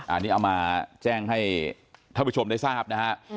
อันนี้เอามาแจ้งให้ท่านผู้ชมได้ทราบนะฮะ